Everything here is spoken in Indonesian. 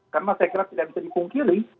karena saya kira tidak bisa dipungkiri